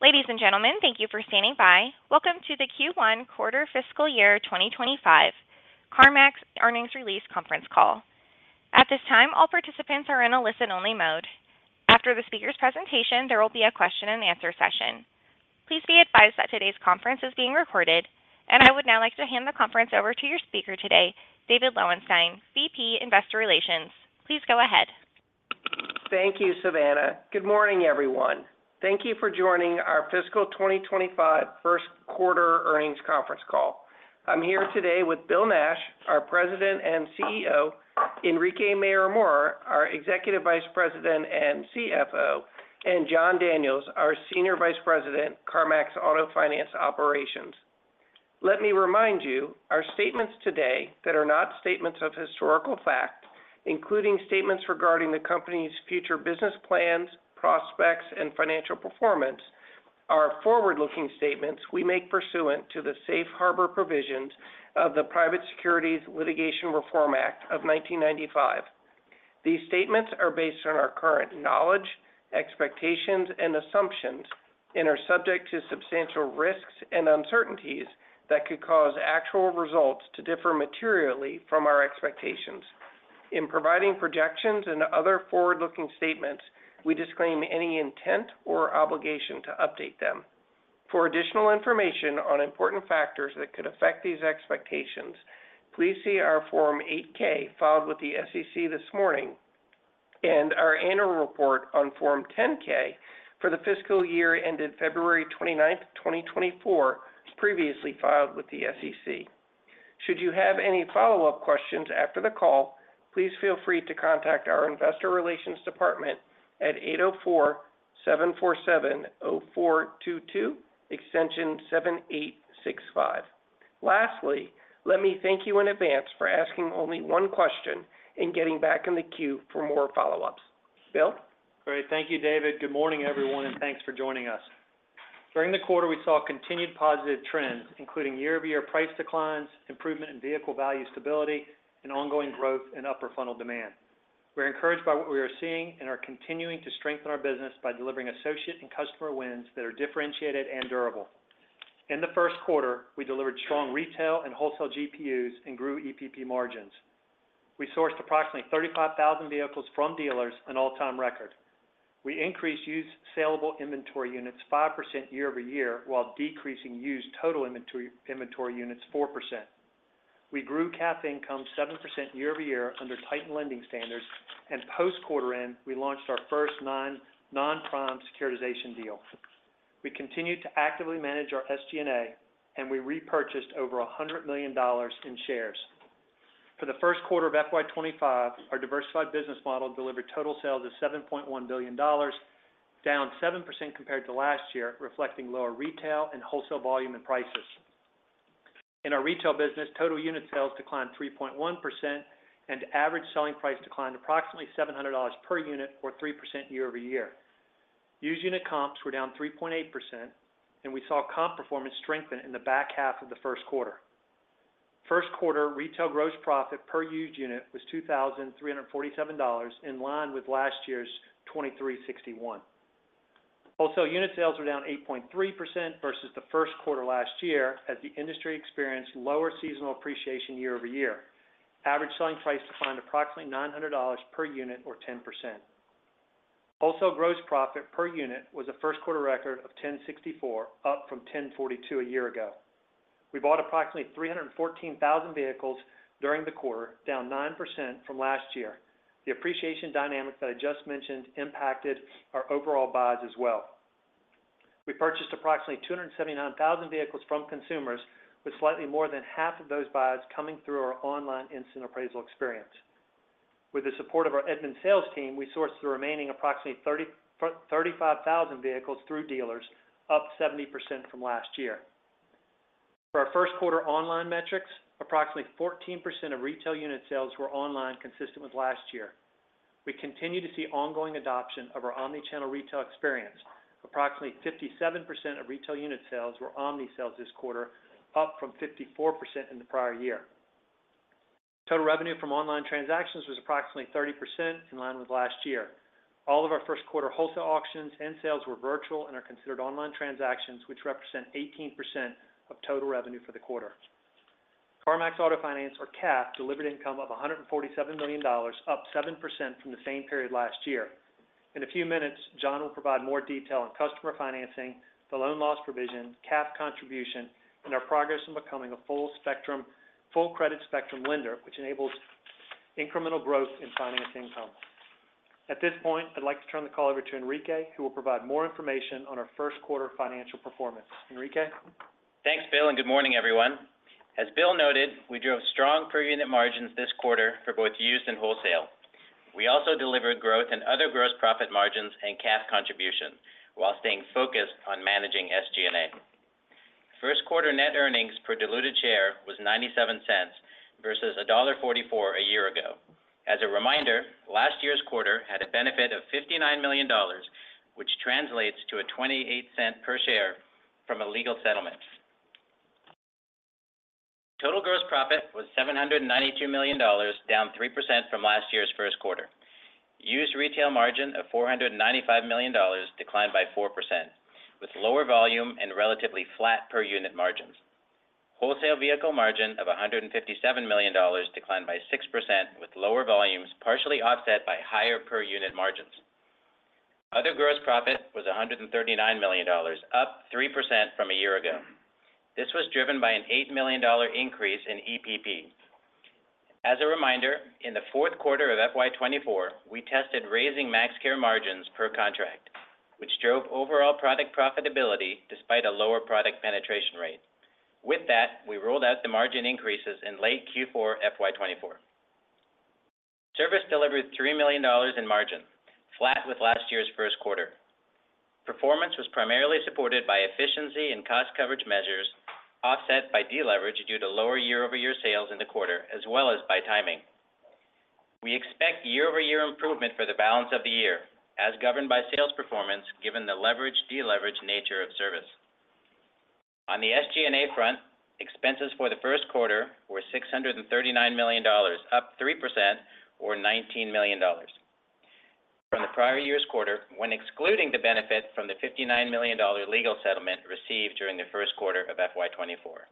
Ladies and gentlemen, thank you for standing by. Welcome to the Q1 quarter fiscal year 2025 CarMax Earnings Release Conference Call. At this time, all participants are in a listen-only mode. After the speaker's presentation, there will be a question and answer session. Please be advised that today's conference is being recorded, and I would now like to hand the conference over to your speaker today, David Lowenstein, VP, Investor Relations. Please go ahead. Thank you, Savannah. Good morning, everyone. Thank you for joining our fiscal 2025 first quarter earnings conference call. I'm here today with Bill Nash, our President and CEO, Enrique Mayorga, our Executive Vice President and CFO, and Jon Daniels, our Senior Vice President, CarMax Auto Finance Operations. Let me remind you, our statements today that are not statements of historical fact, including statements regarding the company's future business plans, prospects, and financial performance, are forward-looking statements we make pursuant to the Safe Harbor Provisions of the Private Securities Litigation Reform Act of 1995. These statements are based on our current knowledge, expectations, and assumptions, and are subject to substantial risks and uncertainties that could cause actual results to differ materially from our expectations. In providing projections and other forward-looking statements, we disclaim any intent or obligation to update them. For additional information on important factors that could affect these expectations, please see our Form 8-K filed with the SEC this morning, and our annual report on Form 10-K for the fiscal year ended February 29, 2024, previously filed with the SEC. Should you have any follow-up questions after the call, please feel free to contact our Investor Relations Department at 804-747-0422, extension 7865. Lastly, let me thank you in advance for asking only one question and getting back in the queue for more follow-ups. Bill? Great. Thank you, David. Good morning, everyone, and thanks for joining us. During the quarter, we saw continued positive trends, including year-over-year price declines, improvement in vehicle value stability, and ongoing growth in upper funnel demand. We're encouraged by what we are seeing and are continuing to strengthen our business by delivering associate and customer wins that are differentiated and durable. In the first quarter, we delivered strong retail and wholesale GPUs and grew EPP margins. We sourced approximately 35,000 vehicles from dealers, an all-time record. We increased used salable inventory units 5% year-over-year, while decreasing used total inventory, inventory units 4%. We grew CAF income 7% year-over-year under tightened lending standards, and post-quarter end, we launched our first non-prime securitization deal. We continued to actively manage our SG&A, and we repurchased over $100 million in shares. For the first quarter of FY 2025, our diversified business model delivered total sales of $7.1 billion, down 7% compared to last year, reflecting lower retail and wholesale volume and prices. In our retail business, total unit sales declined 3.1%, and average selling price declined approximately $700 per unit, or 3% year-over-year. Used unit comps were down 3.8%, and we saw comp performance strengthen in the back half of the first quarter. First quarter retail gross profit per used unit was $2,347, in line with last year's $2,361. Wholesale unit sales were down 8.3% versus the first quarter last year, as the industry experienced lower seasonal appreciation year-over-year. Average selling price declined approximately $900 per unit or 10%. Wholesale gross profit per unit was a first quarter record of $1,064, up from $1,042 a year ago. We bought approximately 314,000 vehicles during the quarter, down 9% from last year. The appreciation dynamics that I just mentioned impacted our overall buys as well. We purchased approximately 279,000 vehicles from consumers, with slightly more than half of those buyers coming through our online instant appraisal experience. With the support of our Edmunds sales team, we sourced the remaining approximately 35,000 vehicles through dealers, up 70% from last year. For our first quarter online metrics, approximately 14% of retail unit sales were online, consistent with last year. We continue to see ongoing adoption of our omni-channel retail experience. Approximately 57% of retail unit sales were omni sales this quarter, up from 54% in the prior year. Total revenue from online transactions was approximately 30%, in line with last year. All of our first quarter wholesale auctions and sales were virtual and are considered online transactions, which represent 18% of total revenue for the quarter. CarMax Auto Finance, or CAF, delivered income of $147 million, up 7% from the same period last year. In a few minutes, John will provide more detail on customer financing, the loan loss provision, CAF contribution, and our progress in becoming a full spectrum- full credit spectrum lender, which enables incremental growth in financing income. At this point, I'd like to turn the call over to Enrique, who will provide more information on our first quarter financial performance. Enrique? Thanks, Bill, and good morning, everyone. As Bill noted, we drove strong per unit margins this quarter for both used and wholesale. We also delivered growth in other gross profit margins and CAF contributions while staying focused on managing SG&A. First quarter net earnings per diluted share was $0.97 versus $1.44 a year ago. As a reminder, last year's quarter had a benefit of $59 million, which translates to a $0.28 per share from a legal settlement. Total gross profit was $792 million, down 3% from last year's first quarter. Used retail margin of $495 million declined by 4%, with lower volume and relatively flat per unit margins. Wholesale vehicle margin of $157 million declined by 6%, with lower volumes partially offset by higher per unit margins. Other gross profit was $139 million, up 3% from a year ago. This was driven by an $8 million increase in EPP. As a reminder, in the fourth quarter of FY 2024, we tested raising MaxCare margins per contract, which drove overall product profitability despite a lower product penetration rate. With that, we rolled out the margin increases in late Q4 FY 2024. Service delivered $3 million in margin, flat with last year's first quarter. Performance was primarily supported by efficiency and cost coverage measures, offset by deleverage due to lower year-over-year sales in the quarter, as well as by timing. We expect year-over-year improvement for the balance of the year, as governed by sales performance, given the leverage, deleverage nature of service. On the SG&A front, expenses for the first quarter were $639 million, up 3%, or $19 million from the prior year's quarter, when excluding the benefit from the $59 million legal settlement received during the first quarter of FY 2024.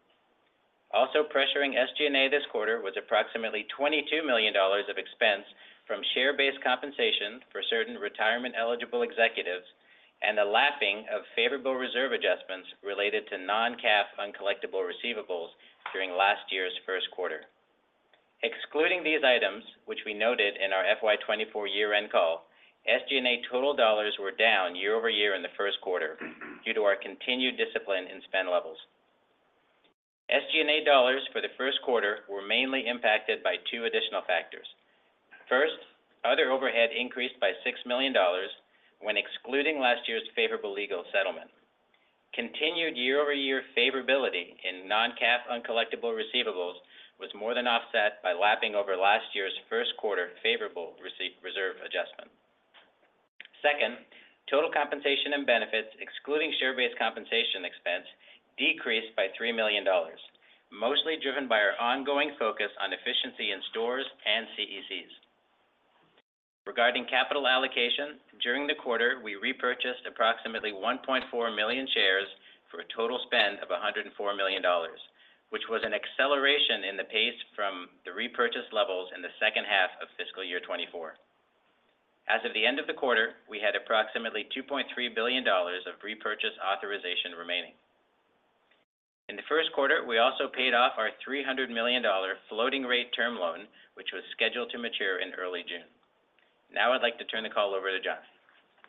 Also pressuring SG&A this quarter was approximately $22 million of expense from share-based compensation for certain retirement-eligible executives, and the lapping of favorable reserve adjustments related to non-CAF uncollectible receivables during last year's first quarter. Excluding these items, which we noted in our FY 2024 year-end call, SG&A total dollars were down year-over-year in the first quarter due to our continued discipline in spend levels. SG&A dollars for the first quarter were mainly impacted by two additional factors. First, other overhead increased by $6 million when excluding last year's favorable legal settlement. Continued year-over-year favorability in non-CAF uncollectible receivables was more than offset by lapping over last year's first quarter favorable receivable reserve adjustment. Second, total compensation and benefits, excluding share-based compensation expense, decreased by $3 million, mostly driven by our ongoing focus on efficiency in stores and CECs. Regarding capital allocation, during the quarter, we repurchased approximately 1.4 million shares for a total spend of $104 million, which was an acceleration in the pace from the repurchase levels in the second half of fiscal year 2024. As of the end of the quarter, we had approximately $2.3 billion of repurchase authorization remaining. In the first quarter, we also paid off our $300 million floating rate term loan, which was scheduled to mature in early June. Now I'd like to turn the call over to Jon.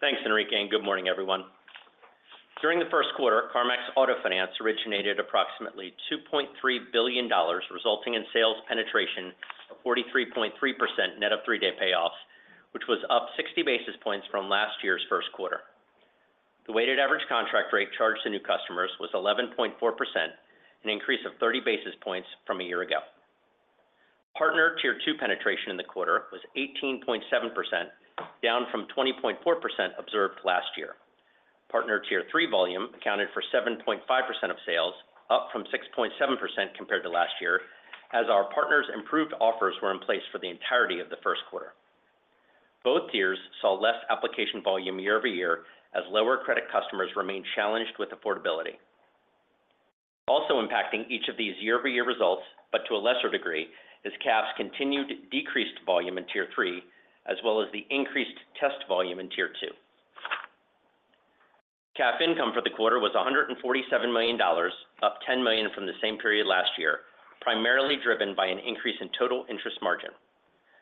Thanks, Enrique, and good morning, everyone. During the first quarter, CarMax Auto Finance originated approximately $2.3 billion, resulting in sales penetration of 43.3% net of three-day payoffs, which was up 60 basis points from last year's first quarter. The weighted average contract rate charged to new customers was 11.4%, an increase of 30 basis points from a year ago. Partner Tier two penetration in the quarter was 18.7%, down from 20.4% observed last year. Partner Tier three volume accounted for 7.5% of sales, up from 6.7% compared to last year, as our partners' improved offers were in place for the entirety of the first quarter. Both tiers saw less application volume year-over-year, as lower credit customers remained challenged with affordability. Also impacting each of these year-over-year results, but to a lesser degree, is CAF's continued decreased volume in Tier three, as well as the increased test volume in Tier two. CAF income for the quarter was $147 million, up $10 million from the same period last year, primarily driven by an increase in total interest margin.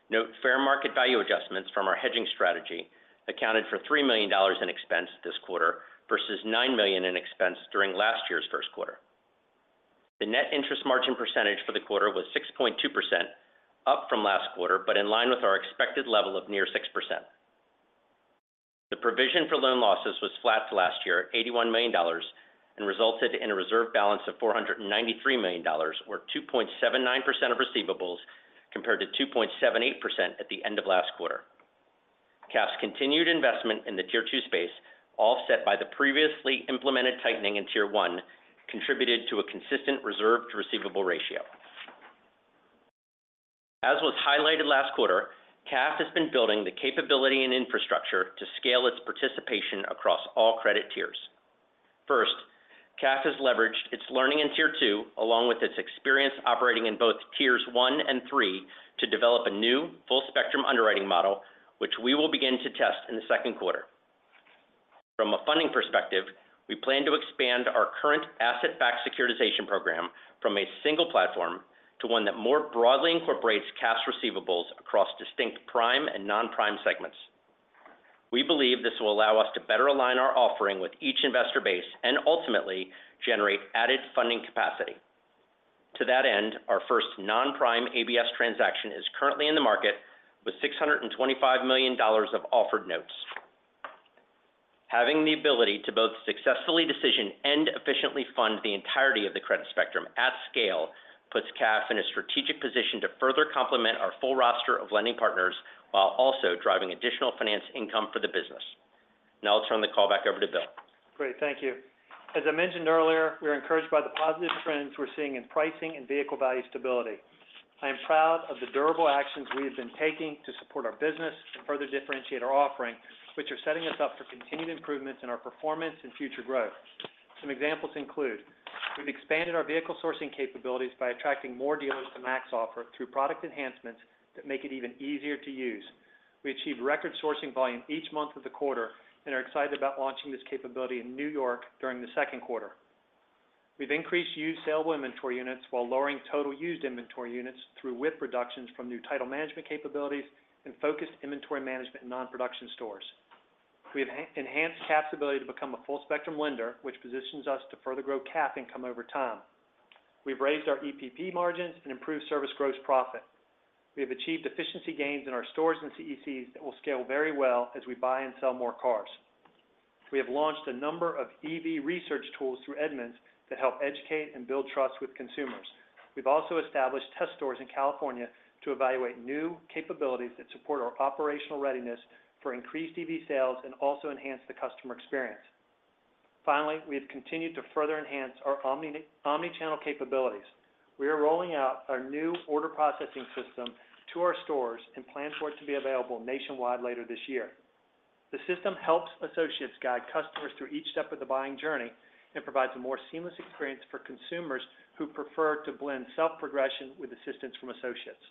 Note, fair market value adjustments from our hedging strategy accounted for $3 million in expense this quarter, versus $9 million in expense during last year's first quarter. The net interest margin percentage for the quarter was 6.2%, up from last quarter, but in line with our expected level of near 6%. The provision for loan losses was flat to last year at $81 million, and resulted in a reserve balance of $493 million, or 2.79% of receivables, compared to 2.78% at the end of last quarter. CAF's continued investment in the Tier 2 space, all set by the previously implemented tightening in Tier 1, contributed to a consistent reserve to receivable ratio. As was highlighted last quarter, CAF has been building the capability and infrastructure to scale its participation across all credit tiers. First, CAF has leveraged its learning in Tier 2, along with its experience operating in both tiers 1 and 3, to develop a new full-spectrum underwriting model, which we will begin to test in the second quarter. From a funding perspective, we plan to expand our current asset-backed securitization program from a single platform to one that more broadly incorporates CAF's receivables across distinct prime and non-prime segments. We believe this will allow us to better align our offering with each investor base and ultimately generate added funding capacity. To that end, our first non-prime ABS transaction is currently in the market with $625 million of offered notes. Having the ability to both successfully decision and efficiently fund the entirety of the credit spectrum at scale, puts CAF in a strategic position to further complement our full roster of lending partners, while also driving additional finance income for the business.... Now I'll turn the call back over to Bill. Great, thank you. As I mentioned earlier, we are encouraged by the positive trends we're seeing in pricing and vehicle value stability. I am proud of the durable actions we have been taking to support our business and further differentiate our offering, which are setting us up for continued improvements in our performance and future growth. Some examples include: we've expanded our vehicle sourcing capabilities by attracting more dealers to MaxOffer through product enhancements that make it even easier to use. We achieved record sourcing volume each month of the quarter and are excited about launching this capability in New York during the second quarter. We've increased used saleable inventory units while lowering total used inventory units through width reductions from new title management capabilities and focused inventory management in non-production stores. We have enhanced CAF's ability to become a full spectrum lender, which positions us to further grow CAF income over time. We've raised our EPP margins and improved service gross profit. We have achieved efficiency gains in our stores and CECs that will scale very well as we buy and sell more cars. We have launched a number of EV research tools through Edmunds to help educate and build trust with consumers. We've also established test stores in California to evaluate new capabilities that support our operational readiness for increased EV sales and also enhance the customer experience. Finally, we have continued to further enhance our omnichannel capabilities. We are rolling out our new order processing system to our stores and plan for it to be available nationwide later this year. The system helps associates guide customers through each step of the buying journey and provides a more seamless experience for consumers who prefer to blend self-progression with assistance from associates.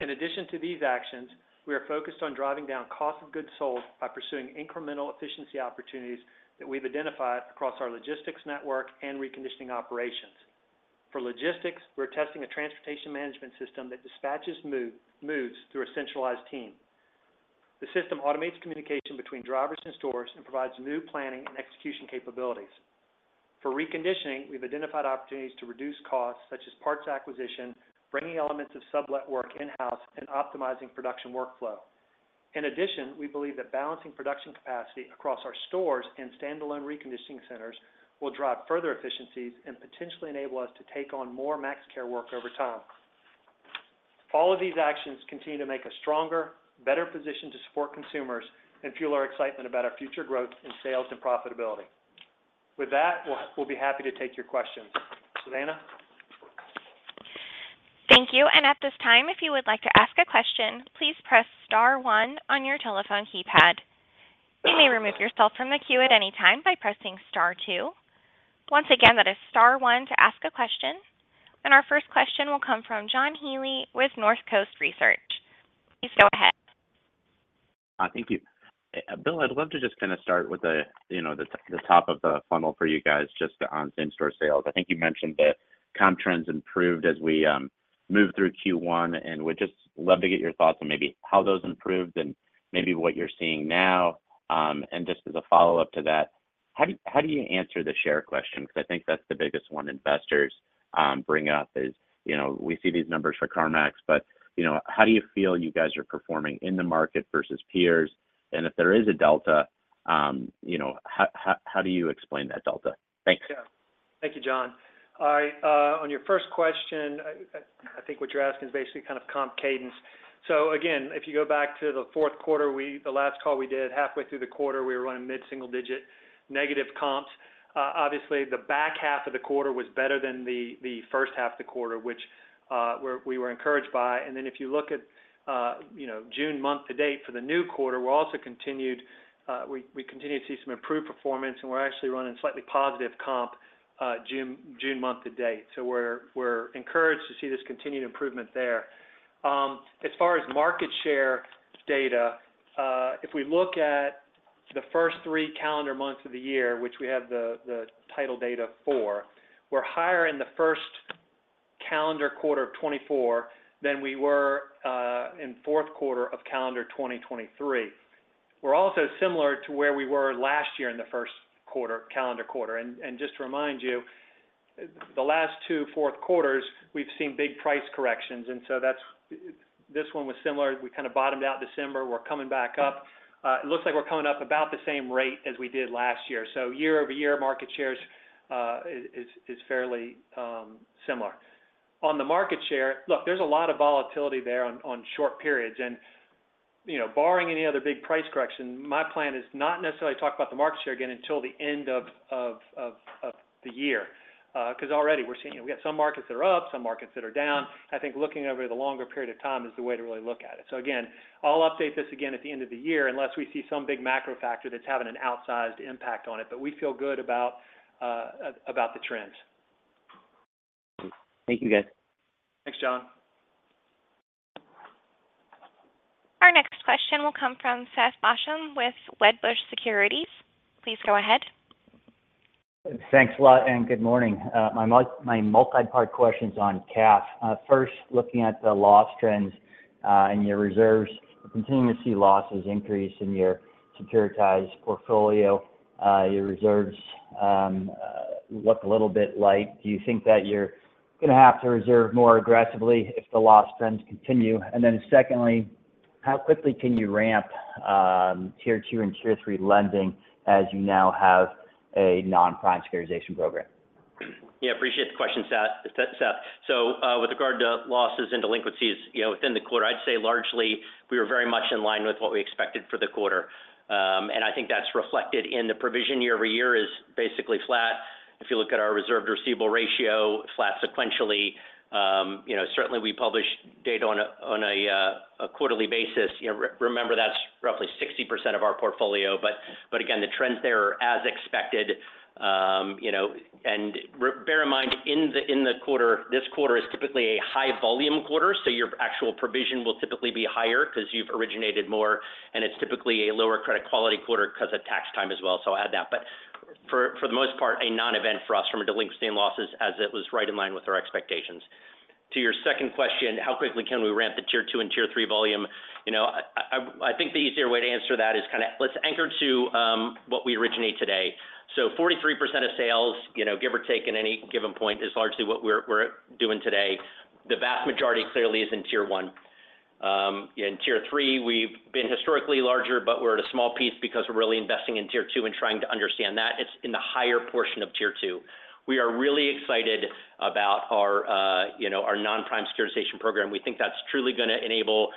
In addition to these actions, we are focused on driving down cost of goods sold by pursuing incremental efficiency opportunities that we've identified across our logistics network and reconditioning operations. For logistics, we're testing a transportation management system that dispatches moves through a centralized team. The system automates communication between drivers and stores and provides new planning and execution capabilities. For reconditioning, we've identified opportunities to reduce costs, such as parts acquisition, bringing elements of sublet work in-house, and optimizing production workflow. In addition, we believe that balancing production capacity across our stores and standalone reconditioning centers will drive further efficiencies and potentially enable us to take on more MaxCare work over time. All of these actions continue to make us stronger, better positioned to support consumers, and fuel our excitement about our future growth in sales and profitability. With that, we'll, we'll be happy to take your questions. Savannah? Thank you. And at this time, if you would like to ask a question, please press star one on your telephone keypad. You may remove yourself from the queue at any time by pressing star two. Once again, that is star one to ask a question. And our first question will come from John Healy with Northcoast Research. Please go ahead. Thank you. Bill, I'd love to just kinda start with the, you know, the top of the funnel for you guys, just on same-store sales. I think you mentioned that comp trends improved as we moved through Q1, and would just love to get your thoughts on maybe how those improved and maybe what you're seeing now. And just as a follow-up to that, how do you, how do you answer the share question? Because I think that's the biggest one investors bring up is, you know, we see these numbers for CarMax, but, you know, how do you feel you guys are performing in the market versus peers? And if there is a delta, you know, how, how, how do you explain that delta? Thanks. Yeah. Thank you, John. All right, on your first question, I think what you're asking is basically kind of comp cadence. So again, if you go back to the fourth quarter, the last call we did, halfway through the quarter, we were running mid-single digit negative comps. Obviously, the back half of the quarter was better than the first half of the quarter, which we were encouraged by. And then if you look at, you know, June month to date for the new quarter, we continue to see some improved performance, and we're actually running slightly positive comp, June month to date. So we're encouraged to see this continued improvement there. As far as market share data, if we look at the first three calendar months of the year, which we have the title data for, we're higher in the first calendar quarter of 2024 than we were in fourth quarter of calendar 2023. We're also similar to where we were last year in the first quarter calendar quarter. And just to remind you, the last two fourth quarters, we've seen big price corrections, and so that's this one was similar. We kind of bottomed out December, we're coming back up. It looks like we're coming up about the same rate as we did last year. So year-over-year, market shares is fairly similar. On the market share, look, there's a lot of volatility there on short periods. You know, barring any other big price correction, my plan is not necessarily talk about the market share again until the end of the year. Because already we're seeing, we got some markets that are up, some markets that are down. I think looking over the longer period of time is the way to really look at it. Again, I'll update this again at the end of the year, unless we see some big macro factor that's having an outsized impact on it, but we feel good about the trends. Thank you, guys. Thanks, John. Our next question will come from Seth Basham with Wedbush Securities. Please go ahead. Thanks a lot, and good morning. My multi-part question is on CAF. First, looking at the loss trends in your reserves, we continue to see losses increase in your securitized portfolio. Your reserves look a little bit light. Do you think that you're going to have to reserve more aggressively if the loss trends continue? And then secondly, how quickly can you ramp Tier Two and Tier Three lending as you now have a non-prime securitization program?... Yeah, appreciate the question, Seth, Seth. So, with regard to losses and delinquencies, you know, within the quarter, I'd say largely we were very much in line with what we expected for the quarter. And I think that's reflected in the provision. Year over year, it's basically flat. If you look at our reserve-to-receivables ratio, flat sequentially. You know, certainly we publish data on a quarterly basis. You know, remember, that's roughly 60% of our portfolio. But again, the trends there are as expected. You know, and bear in mind, in the quarter, this quarter is typically a high volume quarter, so your actual provision will typically be higher because you've originated more, and it's typically a lower credit quality quarter because of tax time as well. So I'll add that. But for the most part, a non-event for us from a delinquency and losses, as it was right in line with our expectations. To your second question, how quickly can we ramp the tier two and tier three volume? You know, I think the easier way to answer that is kind of let's anchor to what we originate today. So 43% of sales, you know, give or take in any given point, is largely what we're doing today. The vast majority clearly is in tier one. In tier three, we've been historically larger, but we're at a small piece because we're really investing in tier two and trying to understand that. It's in the higher portion of tier two. We are really excited about our, you know, our non-prime securitization program. We think that's truly gonna enable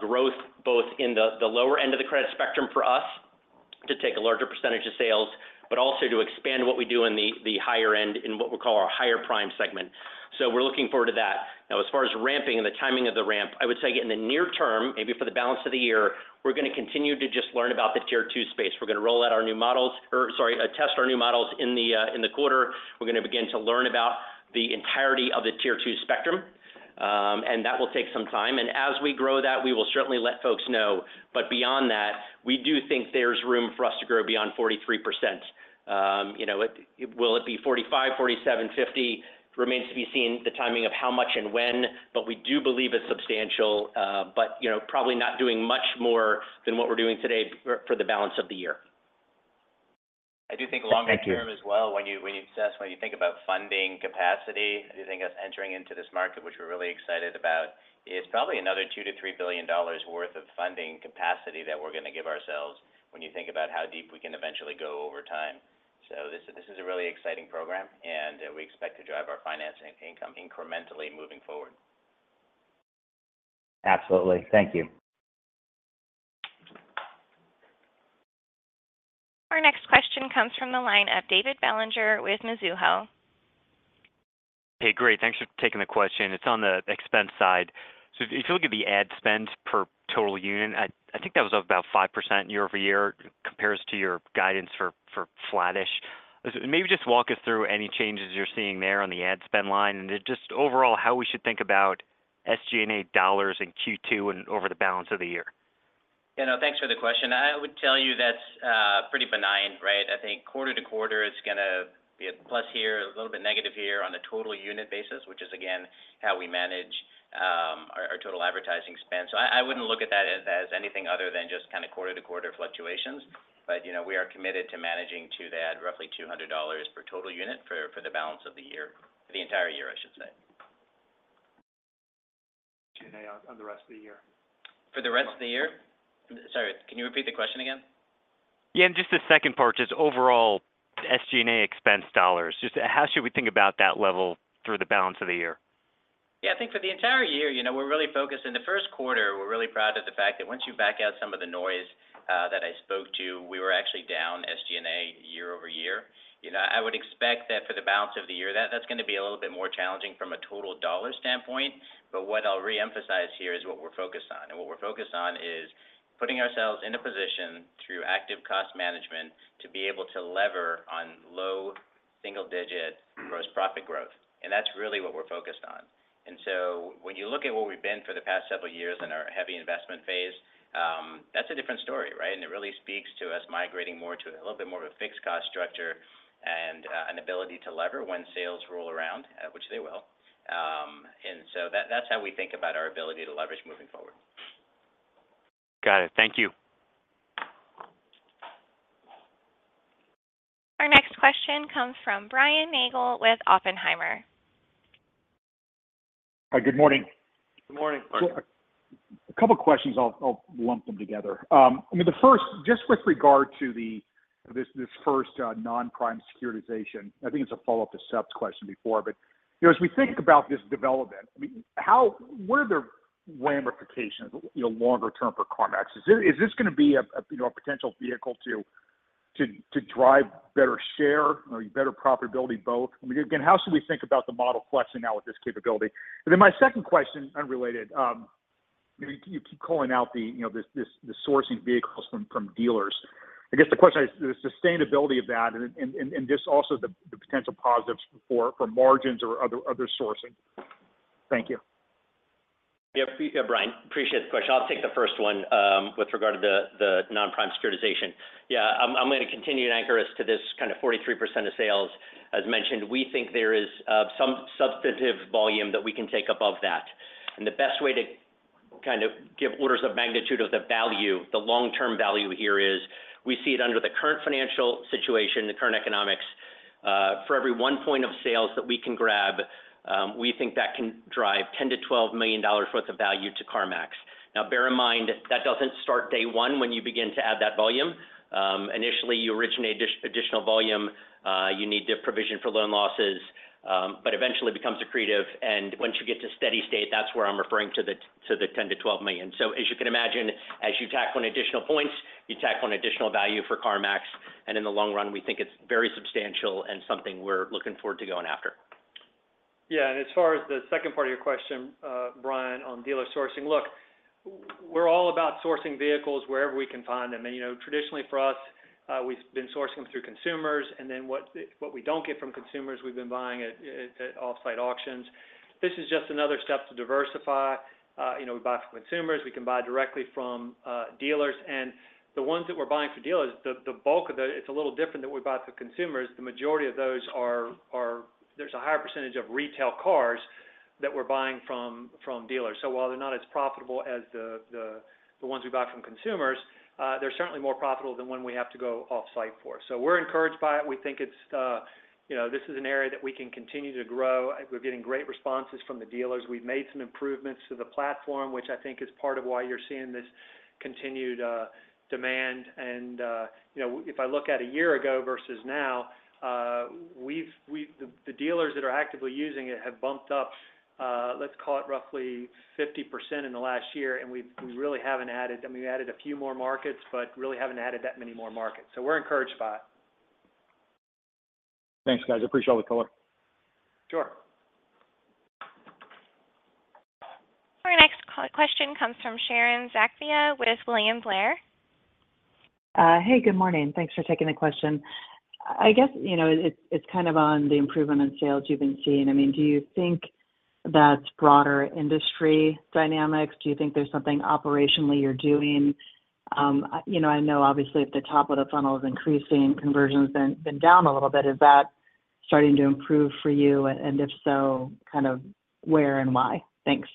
growth, both in the lower end of the credit spectrum for us to take a larger percentage of sales, but also to expand what we do in the higher end, in what we'll call our higher prime segment. So we're looking forward to that. Now, as far as ramping and the timing of the ramp, I would say in the near term, maybe for the balance of the year, we're gonna continue to just learn about the tier two space. We're gonna roll out our new models or sorry, test our new models in the quarter. We're gonna begin to learn about the entirety of the tier two spectrum. And that will take some time. And as we grow that, we will certainly let folks know. But beyond that, we do think there's room for us to grow beyond 43%. You know, will it be 45, 47, 50? Remains to be seen, the timing of how much and when, but we do believe it's substantial. But, you know, probably not doing much more than what we're doing today for the balance of the year. I do think longer term as well, when you, when you assess, when you think about funding capacity, I do think us entering into this market, which we're really excited about, is probably another $2 billion-$3 billion worth of funding capacity that we're gonna give ourselves when you think about how deep we can eventually go over time. So this, this is a really exciting program, and we expect to drive our financing income incrementally moving forward. Absolutely. Thank you. Our next question comes from the line of David Bellinger with Mizuho. Hey, great. Thanks for taking the question. It's on the expense side. So if you look at the ad spend per total unit, I think that was up about 5% year-over-year, compares to your guidance for flattish. Maybe just walk us through any changes you're seeing there on the ad spend line, and just overall, how we should think about SG&A dollars in Q2 and over the balance of the year. You know, thanks for the question. I would tell you that's pretty benign, right? I think quarter-to-quarter is gonna be a plus here, a little bit negative here on a total unit basis, which is, again, how we manage our total advertising spend. So I wouldn't look at that as anything other than just kind of quarter-to-quarter fluctuations. But, you know, we are committed to managing to that roughly $200 per total unit for the balance of the year. For the entire year, I should say.... SG&A on, on the rest of the year. For the rest of the year? Sorry, can you repeat the question again? Yeah, and just the second part, just overall SG&A expense dollars. Just how should we think about that level through the balance of the year? Yeah, I think for the entire year, you know, we're really focused. In the first quarter, we're really proud of the fact that once you back out some of the noise, that I spoke to, we were actually down SG&A year-over-year. You know, I would expect that for the balance of the year, that's gonna be a little bit more challenging from a total dollar standpoint. But what I'll reemphasize here is what we're focused on, and what we're focused on is putting ourselves in a position through active cost management to be able to lever on low single-digit gross profit growth. And that's really what we're focused on. And so when you look at where we've been for the past several years in our heavy investment phase, that's a different story, right? It really speaks to us migrating more to a little bit more of a fixed cost structure and an ability to lever when sales roll around, which they will. So that's how we think about our ability to leverage moving forward. Got it. Thank you. Our next question comes from Brian Nagel with Oppenheimer. Hi, good morning. Good morning, Brian. A couple questions. I'll, I'll lump them together. I mean, the first, just with regard to the, this, this first, non-prime securitization, I think it's a follow-up to Seth's question before. But, you know, as we think about this development, I mean, how... what are the ramifications, you know, longer term for CarMax? Is this, is this gonna be a, a, you know, a potential vehicle to, to, to drive better share or better profitability, both? I mean, again, how should we think about the model flexing now with this capability? And then my second question, unrelated, you know, you keep calling out the, you know, this, this, the sourcing vehicles from, from dealers. I guess the question is, the sustainability of that and, and, and, and just also the, the potential positives for, for margins or other, other sourcing. Thank you. Yeah, appreciate, Brian, appreciate the question. I'll take the first one, with regard to the, the non-prime securitization. Yeah, I'm, I'm gonna continue to anchor us to this kind of 43% of sales. As mentioned, we think there is some substantive volume that we can take above that. And the best way to kind of give orders of magnitude of the value, the long-term value here is we see it under the current financial situation, the current economics. For every 1 point of sales that we can grab, we think that can drive $10 million-$12 million worth of value to CarMax.... Now bear in mind, that doesn't start day one when you begin to add that volume. Initially, you originate additional volume, you need to provision for loan losses, but eventually becomes accretive. And once you get to steady state, that's where I'm referring to the, to the $10 million-$12 million. So as you can imagine, as you tack on additional points, you tack on additional value for CarMax, and in the long run, we think it's very substantial and something we're looking forward to going after. Yeah, and as far as the second part of your question, Brian, on dealer sourcing. Look, we're all about sourcing vehicles wherever we can find them. And, you know, traditionally, for us, we've been sourcing them through consumers, and then what we don't get from consumers, we've been buying at off-site auctions. This is just another step to diversify. You know, we buy from consumers, we can buy directly from dealers. And the ones that we're buying from dealers, the bulk of the... It's a little different than we buy from consumers. The majority of those are, there's a higher percentage of retail cars that we're buying from dealers. So while they're not as profitable as the ones we buy from consumers, they're certainly more profitable than when we have to go off-site for. So we're encouraged by it. We think it's, you know, this is an area that we can continue to grow. We're getting great responses from the dealers. We've made some improvements to the platform, which I think is part of why you're seeing this continued demand. And, you know, if I look at a year ago versus now, the dealers that are actively using it have bumped up, let's call it roughly 50% in the last year, and we really haven't added... I mean, we added a few more markets, but really haven't added that many more markets. So we're encouraged by it. Thanks, guys. I appreciate all the color. Sure. Our next question comes from Sharon Zackfia with William Blair. Hey, good morning. Thanks for taking the question. I guess, you know, it's kind of on the improvement in sales you've been seeing. I mean, do you think that's broader industry dynamics? Do you think there's something operationally you're doing? You know, I know obviously, if the top of the funnel is increasing, conversions then been down a little bit. Is that starting to improve for you? And if so, kind of where and why? Thanks.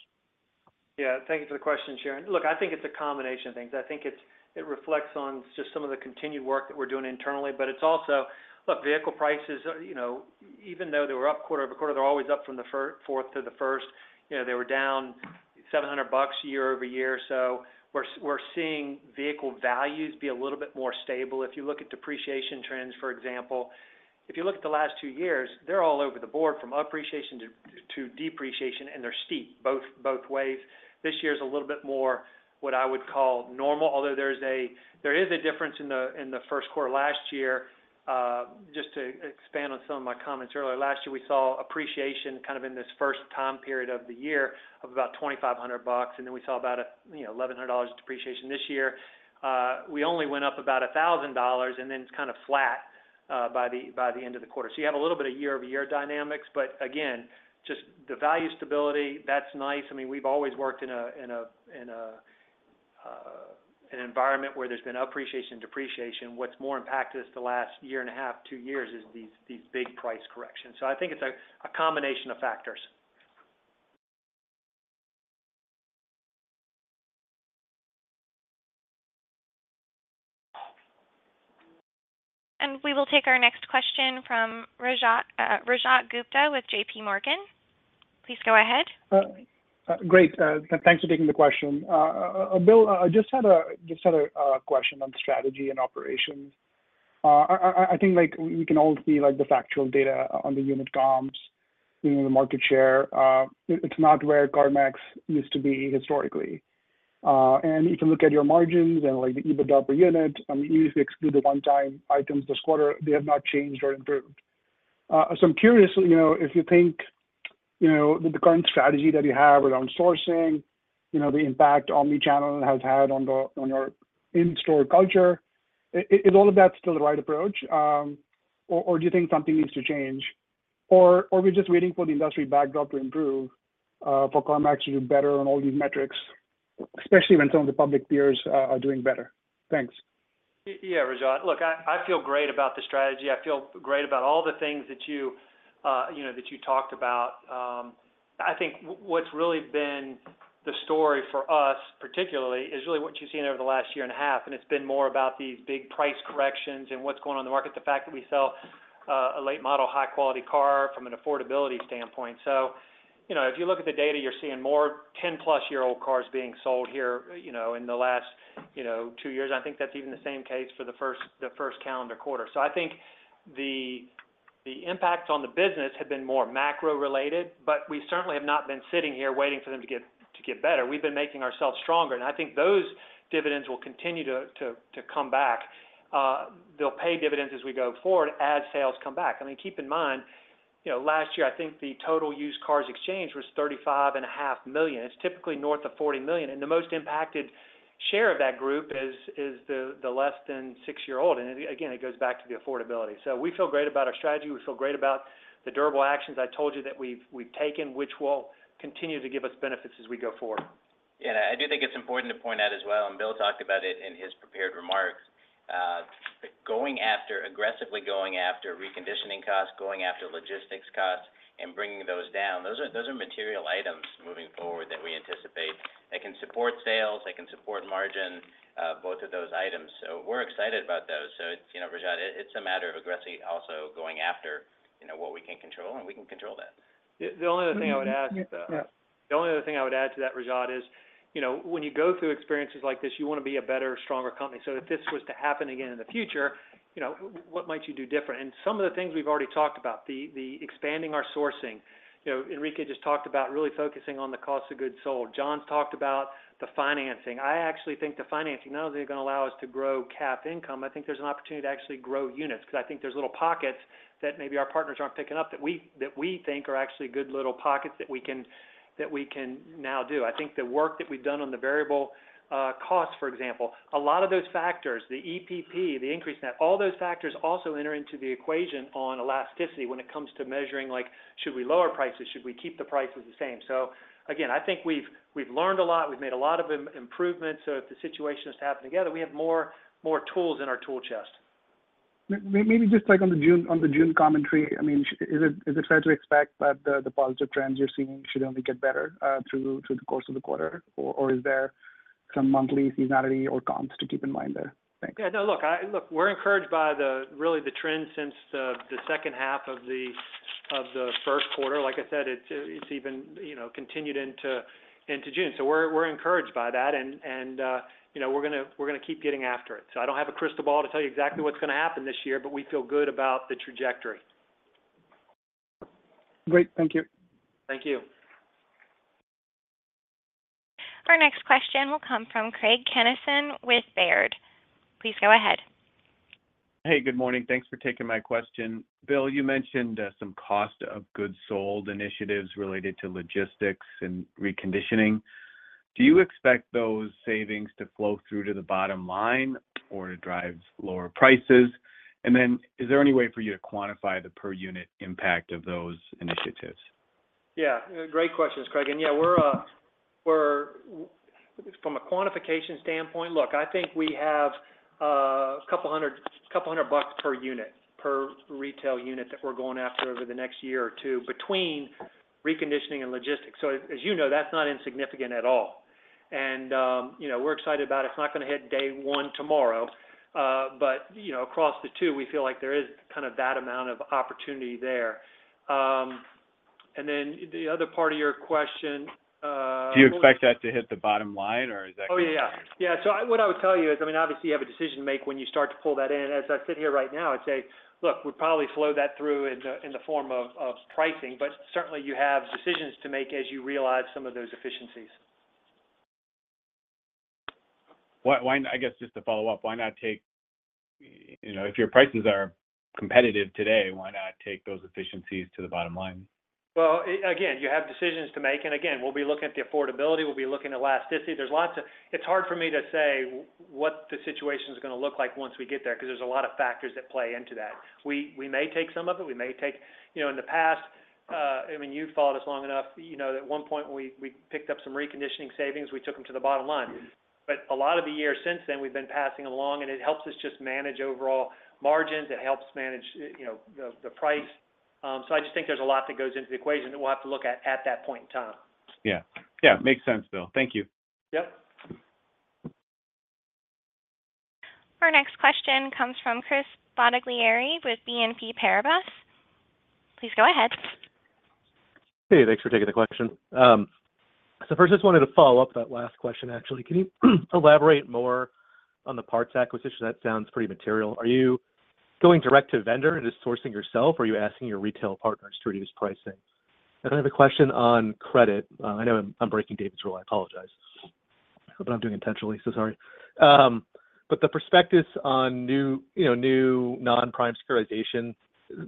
Yeah, thank you for the question, Sharon. Look, I think it's a combination of things. I think it reflects on just some of the continued work that we're doing internally, but it's also... Look, vehicle prices are, you know, even though they were up quarter over quarter, they're always up from the fourth to the first. You know, they were down $700 year over year. So we're seeing vehicle values be a little bit more stable. If you look at depreciation trends, for example, if you look at the last two years, they're all over the board, from appreciation to depreciation, and they're steep both ways. This year is a little bit more what I would call normal, although there is a difference in the first quarter of last year. Just to expand on some of my comments earlier. Last year, we saw appreciation kind of in this first time period of the year of about $2,500, and then we saw about, you know, $1,100 depreciation. This year, we only went up about $1,000, and then it's kind of flat by the end of the quarter. So you have a little bit of year-over-year dynamics, but again, just the value stability, that's nice. I mean, we've always worked in an environment where there's been appreciation, depreciation. What's more impacted us the last year and a half, two years, is these big price corrections. So I think it's a combination of factors. We will take our next question from Rajat, Rajat Gupta with JP Morgan. Please go ahead. Great, thanks for taking the question. Bill, I just had a question on strategy and operations. I think, like, we can all see, like, the factual data on the unit comps, you know, the market share. It's not where CarMax used to be historically. And if you look at your margins and, like, the EBITDA per unit, I mean, even if you exclude the one-time items this quarter, they have not changed or improved. So I'm curious, you know, if you think, you know, that the current strategy that you have around sourcing, you know, the impact omni-channel has had on the on your in-store culture, is all of that still the right approach? Or do you think something needs to change? Or we're just waiting for the industry backdrop to improve for CarMax to do better on all these metrics, especially when some of the public peers are doing better? Thanks. Yeah, Rajat. Look, I feel great about the strategy. I feel great about all the things that you, you know, that you talked about. I think what's really been the story for us, particularly, is really what you've seen over the last year and a half, and it's been more about these big price corrections and what's going on in the market, the fact that we sell a late-model, high-quality car from an affordability standpoint. So you know, if you look at the data, you're seeing more 10+ year-old cars being sold here, you know, in the last, you know, two years. I think that's even the same case for the first calendar quarter. So I think the impacts on the business have been more macro-related, but we certainly have not been sitting here waiting for them to get better. We've been making ourselves stronger, and I think those dividends will continue to come back. They'll pay dividends as we go forward, as sales come back. I mean, keep in mind, you know, last year, I think the total used cars exchanged was 35.5 million. It's typically north of 40 million, and the most impacted share of that group is the less than six-year-old. And again, it goes back to the affordability. So we feel great about our strategy. We feel great about the durable actions I told you that we've taken, which will continue to give us benefits as we go forward. Yeah, I do think it's important to point out as well, and Bill talked about it in his prepared remarks. Going after, aggressively going after reconditioning costs, going after logistics costs, and bringing those down. Those are, those are material items moving forward that we anticipate that can support sales, that can support margin, both of those items. So we're excited about those. So, you know, Rajat, it's a matter of aggressively also going after, you know, what we can control, and we can control that.... Yeah, the only other thing I would add to that- Yeah. The only other thing I would add to that, Rajat, is, you know, when you go through experiences like this, you want to be a better, stronger company. So if this was to happen again in the future, you know, what might you do different? And some of the things we've already talked about, the expanding our sourcing. You know, Enrique just talked about really focusing on the cost of goods sold. Jon talked about the financing. I actually think the financing, not only are they going to allow us to grow CAF income, I think there's an opportunity to actually grow units. Because I think there's little pockets that maybe our partners aren't picking up, that we, that we think are actually good little pockets that we can, that we can now do. I think the work that we've done on the variable cost, for example, a lot of those factors, the EPP, the increase in that, all those factors also enter into the equation on elasticity when it comes to measuring, like, should we lower prices? Should we keep the prices the same? So again, I think we've learned a lot. We've made a lot of improvements, so if the situation has to happen together, we have more tools in our tool chest. Maybe just like on the June commentary, I mean, is it fair to expect that the positive trends you're seeing should only get better through the course of the quarter? Or is there some monthly seasonality or comps to keep in mind there? Thanks. Yeah. No, look, we're encouraged by really the trend since the second half of the first quarter. Like I said, it's even, you know, continued into June. So we're encouraged by that, and you know, we're gonna keep getting after it. So I don't have a crystal ball to tell you exactly what's gonna happen this year, but we feel good about the trajectory. Great. Thank you. Thank you. Our next question will come from Craig Kennison with Baird. Please go ahead. Hey, good morning. Thanks for taking my question. Bill, you mentioned some cost of goods sold initiatives related to logistics and reconditioning. Do you expect those savings to flow through to the bottom line or to drive lower prices? And then, is there any way for you to quantify the per unit impact of those initiatives? Yeah, great questions, Craig. And yeah, we're from a quantification standpoint. Look, I think we have $200 per unit, per retail unit that we're going after over the next year or two, between reconditioning and logistics. So as you know, that's not insignificant at all. And you know, we're excited about it. It's not gonna hit day one tomorrow, but you know, across the two, we feel like there is kind of that amount of opportunity there. And then the other part of your question- Do you expect that to hit the bottom line, or is that- Oh, yeah, yeah. Yeah, so I, what I would tell you is, I mean, obviously, you have a decision to make when you start to pull that in. As I sit here right now, I'd say, look, we'd probably flow that through in the, in the form of, of pricing, but certainly you have decisions to make as you realize some of those efficiencies. Why, I guess just to follow up, why not take... You know, if your prices are competitive today, why not take those efficiencies to the bottom line? Well, again, you have decisions to make. Again, we'll be looking at the affordability, we'll be looking at elasticity. It's hard for me to say what the situation is gonna look like once we get there, because there's a lot of factors that play into that. We may take some of it, we may take... You know, in the past, I mean, you've followed us long enough. You know that at one point, we picked up some reconditioning savings, we took them to the bottom line. Mm-hmm. But a lot of the years since then, we've been passing along, and it helps us just manage overall margins. It helps manage, you know, the price. So I just think there's a lot that goes into the equation that we'll have to look at that point in time. Yeah. Yeah, makes sense, Bill. Thank you. Yep. Our next question comes from Chris Bottiglieri with BNP Paribas. Please go ahead. Hey, thanks for taking the question. So first, I just wanted to follow up that last question, actually. Can you elaborate more on the parts acquisition? That sounds pretty material. Are you going direct to vendor and just sourcing yourself, or are you asking your retail partners to reduce pricing? I have a question on credit. I know I'm breaking David's rule. I apologize. But I'm doing it intentionally, so sorry. But the prospectus on new, you know, new non-prime securitization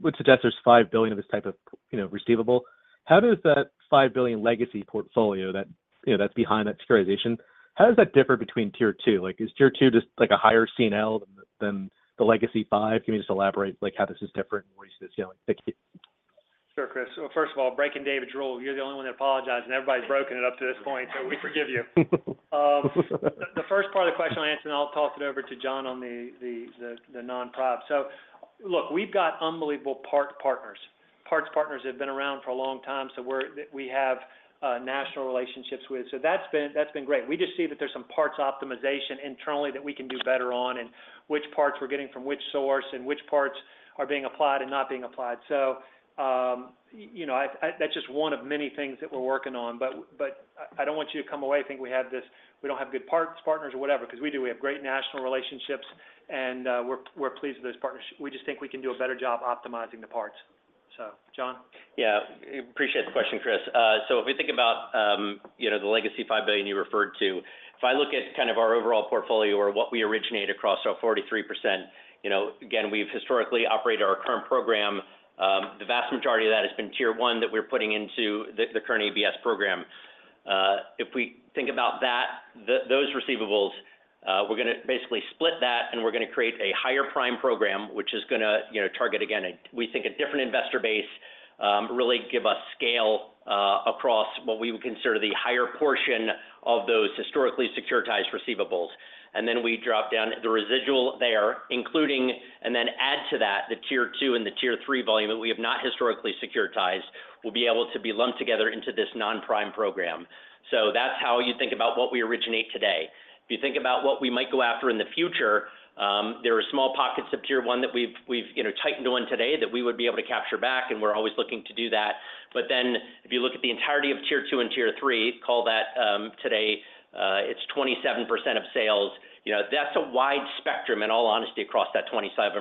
would suggest there's $5 billion of this type of, you know, receivable. How does that $5 billion legacy portfolio that, you know, that's behind that securitization, how does that differ between tier two? Like, is tier two just like a higher CNL than the legacy five? Can you just elaborate, like, how this is different and why you see this yielding? Thank you. Sure, Chris. Well, first of all, breaking David's rule, you're the only one that apologized, and everybody's broken it up to this point, so we forgive you. The first part of the question, I'll answer, and I'll toss it over to John on the non-prime. So look, we've got unbelievable parts partners. Parts partners have been around for a long time, so we have national relationships with. So that's been great. We just see that there's some parts optimization internally that we can do better on, and which parts we're getting from which source, and which parts are being applied and not being applied. So, you know, I, that's just one of many things that we're working on. But, I don't want you to come away thinking we have this—we don't have good parts, partners or whatever, 'cause we do. We have great national relationships, and we're pleased with those partners. We just think we can do a better job optimizing the parts. So, Jon? Yeah, appreciate the question, Chris. So if we think about, you know, the legacy $5 billion you referred to, if I look at kind of our overall portfolio or what we originate across, so 43%, you know, again, we've historically operated our current program, the vast majority of that has been Tier 1 that we're putting into the current ABS program. If we think about that, those receivables, we're gonna basically split that, and we're gonna create a higher Prime program, which is gonna, you know, target again, we think a different investor base, really give us scale, across what we would consider the higher portion of those historically securitized receivables. And then we drop down the residual there, including, and then add to that, the Tier two and the Tier three volume that we have not historically securitized, will be able to be lumped together into this non-prime program.... So that's how you think about what we originate today. If you think about what we might go after in the future, there are small pockets of Tier One that we've, you know, tightened on today, that we would be able to capture back, and we're always looking to do that. But then, if you look at the entirety of Tier Two and Tier Three, call that today, it's 27% of sales. You know, that's a wide spectrum, in all honesty, across that 27%.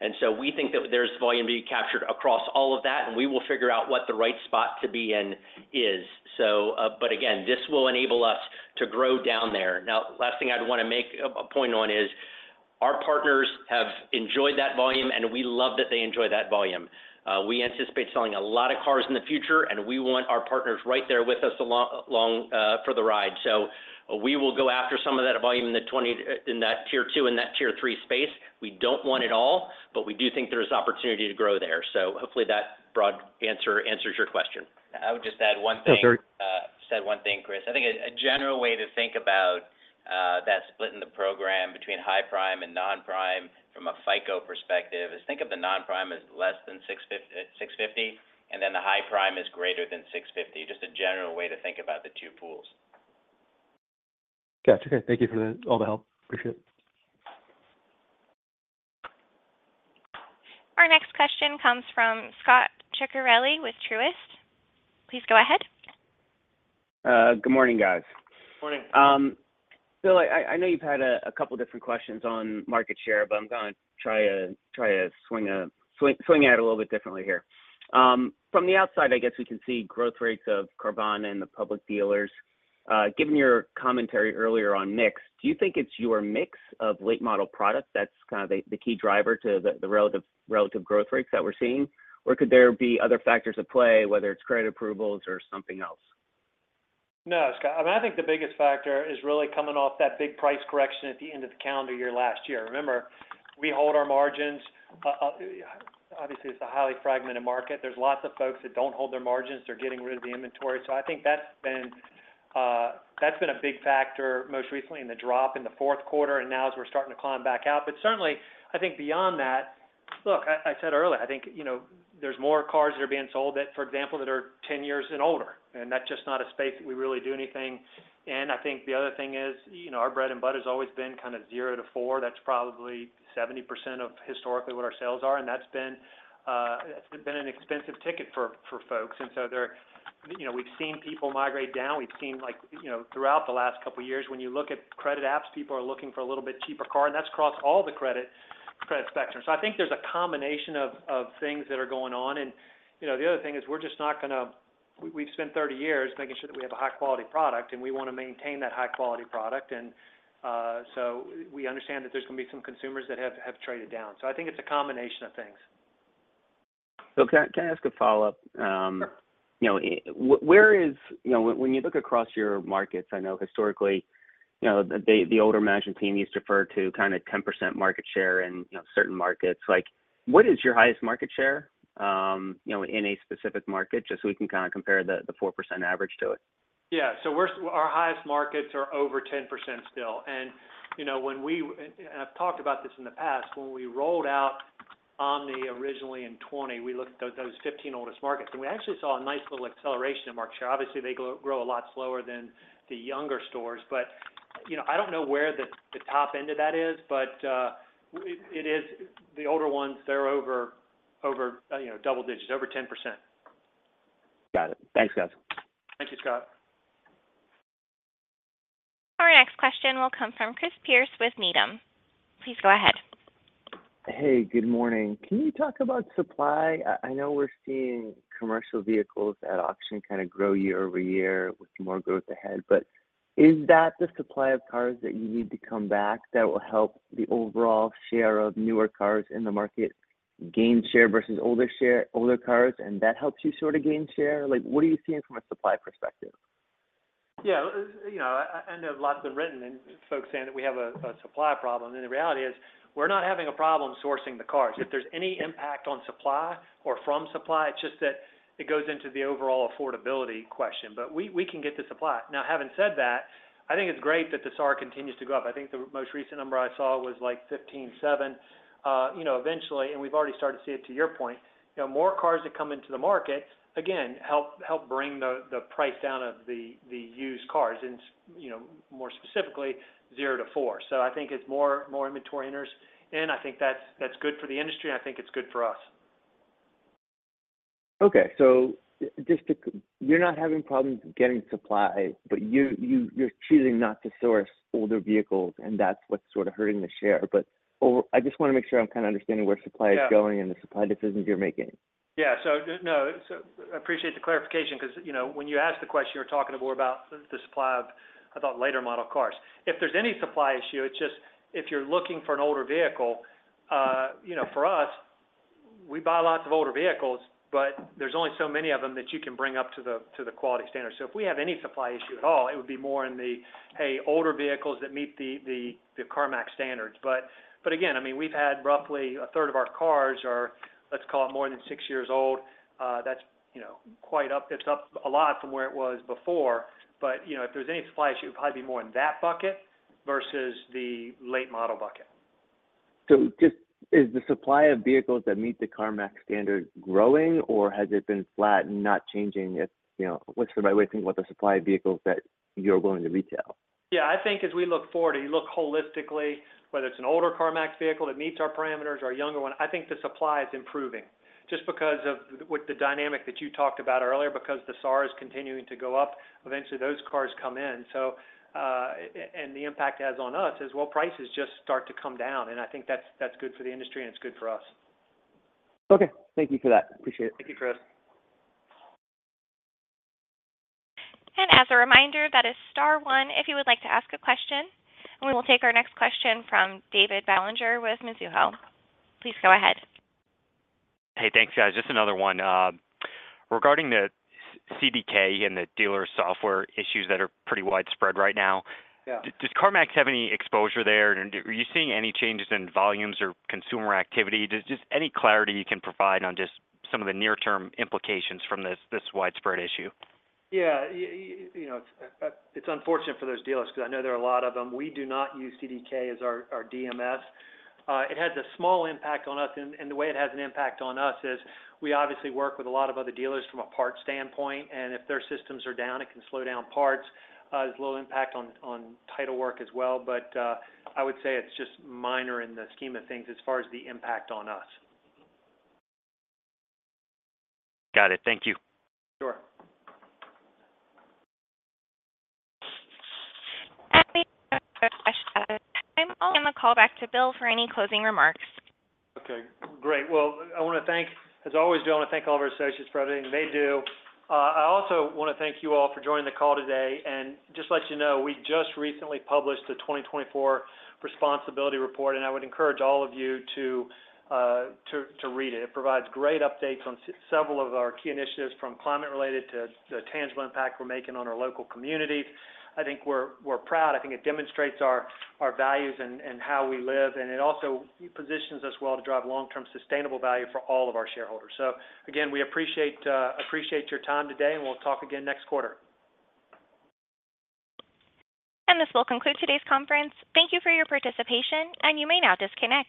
And so we think that there's volume to be captured across all of that, and we will figure out what the right spot to be in is. So, but again, this will enable us to grow down there. Now, last thing I'd wanna make a point on is, our partners have enjoyed that volume, and we love that they enjoy that volume. We anticipate selling a lot of cars in the future, and we want our partners right there with us along for the ride. So we will go after some of that volume in that Tier Two and that Tier Three space. We don't want it all, but we do think there's opportunity to grow there. So hopefully that broad answer answers your question. I would just add one thing- Yeah, sure. Say one thing, Chris. I think a general way to think about that split in the program between high prime and non-prime, from a FICO perspective, is think of the non-prime as less than 650, and then the high prime is greater than 650. Just a general way to think about the two pools. Gotcha. Okay, thank you for all the help. Appreciate it. Our next question comes from Scot Ciccarelli with Truist. Please go ahead. Good morning, guys. Morning. Bill, I know you've had a couple different questions on market share, but I'm gonna try to swing it out a little bit differently here. From the outside, I guess we can see growth rates of Carvana and the public dealers. Given your commentary earlier on mix, do you think it's your mix of late model products that's kind of the key driver to the relative growth rates that we're seeing? Or could there be other factors at play, whether it's credit approvals or something else? No, Scot, I mean, I think the biggest factor is really coming off that big price correction at the end of the calendar year, last year. Remember, we hold our margins. Obviously, it's a highly fragmented market. There's lots of folks that don't hold their margins, they're getting rid of the inventory. So I think that's been, that's been a big factor, most recently in the drop in the fourth quarter, and now as we're starting to climb back out. But certainly, I think beyond that. Look, I, I said earlier, I think, you know, there's more cars that are being sold that, for example, that are 10 years and older, and that's just not a space that we really do anything. And I think the other thing is, you know, our bread and butter has always been kind of 0-4. That's probably 70% of historically what our sales are, and that's been an expensive ticket for folks. So they're—you know, we've seen people migrate down. We've seen, like, you know, throughout the last couple of years, when you look at credit apps, people are looking for a little bit cheaper car, and that's across all the credit spectrum. So I think there's a combination of things that are going on. And, you know, the other thing is, we're just not gonna—we've spent 30 years making sure that we have a high-quality product, and we wanna maintain that high-quality product. So we understand that there's gonna be some consumers that have traded down. So I think it's a combination of things. So can I ask a follow-up? Sure. You know, when you look across your markets, I know historically, you know, the older management team used to refer to kind of 10% market share in, you know, certain markets. Like, what is your highest market share, you know, in a specific market? Just so we can kinda compare the 4% average to it. Yeah. So our highest markets are over 10% still. And, you know, when we and I've talked about this in the past, when we rolled out Omni originally in 2020, we looked at those 15 oldest markets, and we actually saw a nice little acceleration in market share. Obviously, they grow a lot slower than the younger stores, but, you know, I don't know where the top end of that is, but it is, the older ones, they're over, over, you know, double digits, over 10%. Got it. Thanks, guys. Thank you, Scot. Our next question will come from Chris Pierce with Needham. Please go ahead. Hey, good morning. Can you talk about supply? I know we're seeing commercial vehicles at auction kind of grow year over year, with more growth ahead, but is that the supply of cars that you need to come back that will help the overall share of newer cars in the market gain share versus older share, older cars, and that helps you sort of gain share? Like, what are you seeing from a supply perspective? Yeah, you know, I know a lot's been written and folks saying that we have a supply problem, and the reality is, we're not having a problem sourcing the cars. If there's any impact on supply or from supply, it's just that it goes into the overall affordability question, but we can get the supply. Now, having said that, I think it's great that the SAAR continues to go up. I think the most recent number I saw was, like, 15.7. You know, eventually, and we've already started to see it, to your point, you know, more cars that come into the market, again, help bring the price down of the used cars, and you know, more specifically, 0-4. So I think it's more inventory enters, and I think that's good for the industry, and I think it's good for us. Okay. So just to... You're not having problems getting supply, but you, you, you're choosing not to source older vehicles, and that's what's sort of hurting the share. But I just wanna make sure I'm kinda understanding where supply- Yeah... is going and the supply decisions you're making. Yeah. So, no, so appreciate the clarification, 'cause, you know, when you asked the question, you were talking more about the supply of about later model cars. If there's any supply issue, it's just, if you're looking for an older vehicle, you know, for us, we buy lots of older vehicles, but there's only so many of them that you can bring up to the quality standard. So if we have any supply issue at all, it would be more in the, hey, older vehicles that meet the CarMax standards. But, but again, I mean, we've had roughly a third of our cars are, let's call it, more than six years old. That's, you know, quite up, it's up a lot from where it was before. You know, if there's any supply issue, it'd probably be more in that bucket versus the late model bucket.... So just is the supply of vehicles that meet the CarMax standard growing, or has it been flat and not changing it? You know, what's the right way to think about the supply of vehicles that you're willing to retail? Yeah, I think as we look forward, and you look holistically, whether it's an older CarMax vehicle that meets our parameters or a younger one, I think the supply is improving. Just because of with the dynamic that you talked about earlier, because the SAR is continuing to go up, eventually those cars come in. So, and the impact it has on us is, well, prices just start to come down, and I think that's, that's good for the industry, and it's good for us. Okay, thank you for that. Appreciate it. Thank you, Chris. And as a reminder, that is star one if you would like to ask a question. And we will take our next question from David Bellinger with Mizuho. Please go ahead. Hey, thanks, guys. Just another one. Regarding the CDK and the dealer software issues that are pretty widespread right now- Yeah. Does CarMax have any exposure there? And are you seeing any changes in volumes or consumer activity? Just, just any clarity you can provide on just some of the near-term implications from this, this widespread issue? Yeah, you know, it's unfortunate for those dealers because I know there are a lot of them. We do not use CDK as our DMS. It has a small impact on us, and the way it has an impact on us is we obviously work with a lot of other dealers from a parts standpoint, and if their systems are down, it can slow down parts. There's a little impact on title work as well. But, I would say it's just minor in the scheme of things as far as the impact on us. Got it. Thank you. Sure. I think one question at a time. I'll hand the call back to Bill for any closing remarks. Okay, great. Well, I want to thank, as always, Bill, I want to thank all of our associates for everything they do. I also want to thank you all for joining the call today. And just let you know, we just recently published the 2024 responsibility report, and I would encourage all of you to read it. It provides great updates on several of our key initiatives, from climate related to the tangible impact we're making on our local communities. I think we're proud. I think it demonstrates our values and how we live, and it also positions us well to drive long-term sustainable value for all of our shareholders. So again, we appreciate your time today, and we'll talk again next quarter. This will conclude today's conference. Thank you for your participation, and you may now disconnect.